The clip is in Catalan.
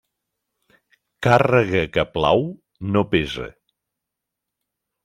Càrrega que plau no pesa.